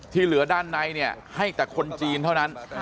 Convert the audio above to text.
ที่เหลือด้านในให้แต่คนจีนเท่านั้น